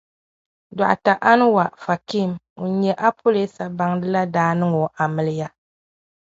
Dr. Anwar Fakim ŋun nya apɔleesa baŋda la daa niŋ o amiliya.